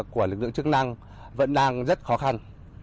của lực lượng chức năng vẫn đang rất khó khăn